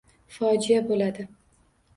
Fojia bo’ladi!